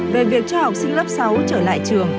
về việc cho học sinh lớp sáu trở lại trường